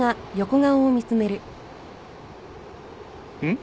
ん？